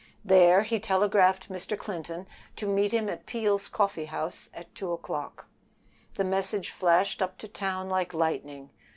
There he telegraphed Mr. Clinton to meet him at Peel's Coffee House at two o'clock. The message flashed up to town like lightning.